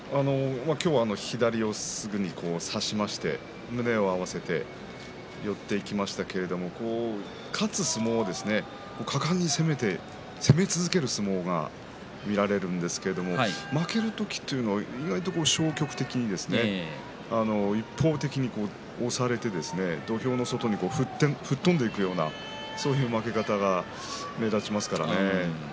今日は左四つで差してそして寄っていきましたけれども勝つ相撲果敢に攻める、攻め続ける相撲が見られるんですけれども負ける時は意外に消極的に一方的に押されて土俵の外に吹っ飛んでいくような負け方が目立ちますからね。